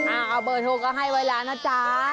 เอาเบอร์โทรก็ให้ไว้แล้วนะจ๊ะ